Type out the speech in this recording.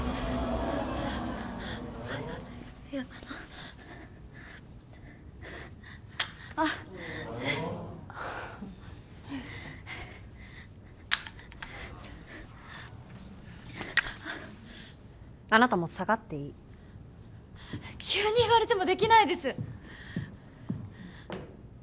いやあっあなたもう下がっていい急に言われてもできないです！